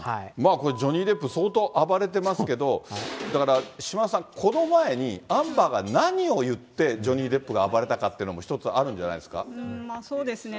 これジョニー・デップ、相当暴れてますけれども、だから、島田さん、この前にアンバーが何を言って、ジョニー・デップが暴れたかっていうのも、一つあるんじゃないんそうですね。